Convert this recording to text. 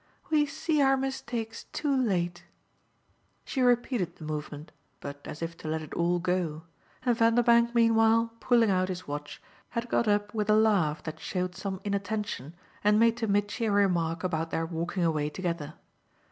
"We see our mistakes too late." She repeated the movement, but as if to let it all go, and Vanderbank meanwhile, pulling out his watch, had got up with a laugh that showed some inattention and made to Mitchy a remark about their walking away together.